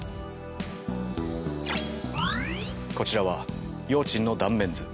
こちらは葉枕の断面図。